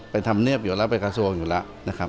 ทำเนียบอยู่แล้วไปกระทรวงอยู่แล้วนะครับ